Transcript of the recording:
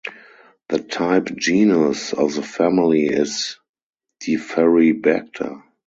The type genus of the family is "Deferribacter".